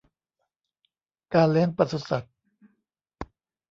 การเลี้ยงปศุสัตว์